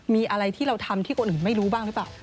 มีอะไรที่เราทำที่คนอื่นไม่รู้บ้างหรือเปล่า